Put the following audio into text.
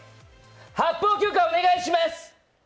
発砲許可、お願いします。